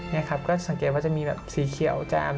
นี่ครับก็สังเกตว่าจะมีแบบสีเขียวจาม